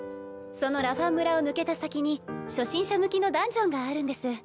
そのラファン村を抜けた先に初心者向きのダンジョンがあるんです。